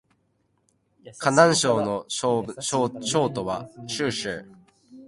河南省の省都は鄭州